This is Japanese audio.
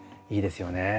いいですよね。